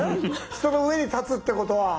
人の上に立つってことは。